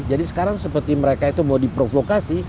jadi sekarang seperti mereka itu mau diprovokasi